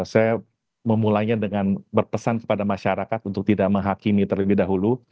saya memulainya dengan berpesan kepada masyarakat untuk tidak menghakimi terlebih dahulu